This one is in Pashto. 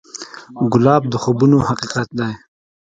ګلاب د خوبونو حقیقت دی.